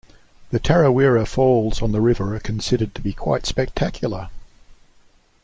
The Tarawera Falls on the river are considered to be quite spectacular.